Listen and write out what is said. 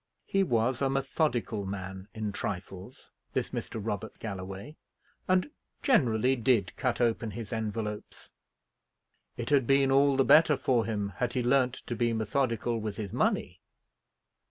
He was a methodical man in trifles, this Mr. Robert Galloway, and generally did cut open his envelopes. It had been all the better for him had he learnt to be methodical with his money.